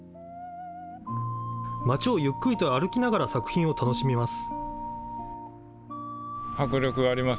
町をゆっくりと歩きながら作品を楽しみます。